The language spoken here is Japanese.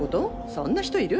そんな人いる？